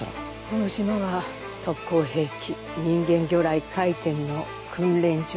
この島は特攻兵器人間魚雷「回天」の訓練所。